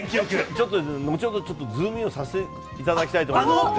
ちょっと、後ほどちょっと、ズームイン！！をさせていただきたいと思いますので。